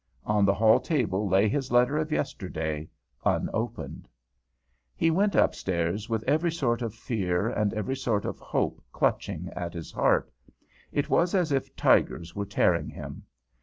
On the hall table lay his letter of yesterday, unopened. He went upstairs with every sort of fear and every sort of hope clutching at his heart; it was as if tigers were tearing him.